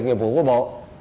nghiệp vụ của bộ